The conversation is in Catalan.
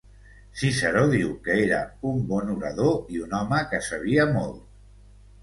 Ciceró diu que era un bon orador i un home que sabia molt.